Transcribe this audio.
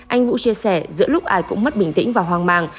anh vũ chia sẻ giữa lúc ai cũng mất bình tĩnh và hoang mang